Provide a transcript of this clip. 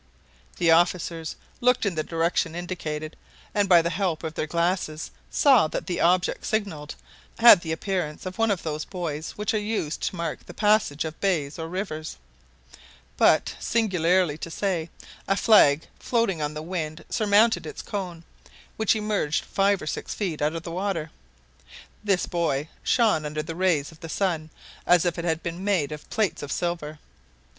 The officers looked in the direction indicated, and by the help of their glasses saw that the object signalled had the appearance of one of those buoys which are used to mark the passages of bays or rivers. But, singularly to say, a flag floating on the wind surmounted its cone, which emerged five or six feet out of water. This buoy shone under the rays of the sun as if it had been made of plates of silver.